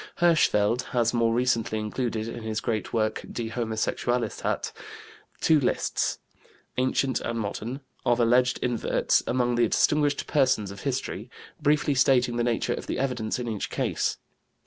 Hirschfeld has more recently included in his great work Die Homosexualität (1913, pp. 650 674) two lists, ancient and modern, of alleged inverts among the distinguished persons of history, briefly stating the nature of the evidence in each case.